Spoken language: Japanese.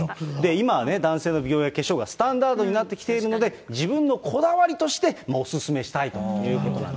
今はね、男性の美容や化粧がスタンダードになってきているので、自分のこだわりとしてお勧めしたいということなんです。